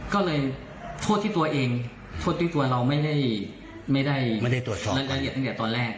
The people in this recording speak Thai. ก็เลยโทษที่ตัวเองโทษที่ตัวเราไม่ได้รักละเอียดตั้งแต่ตอนแรก